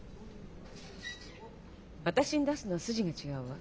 私に出すのは筋が違うわ。